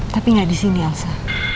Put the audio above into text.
tapi nggak di sini elsa